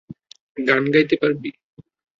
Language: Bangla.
গান গাইতে পারবি?